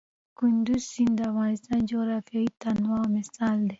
کندز سیند د افغانستان د جغرافیوي تنوع مثال دی.